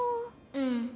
うん。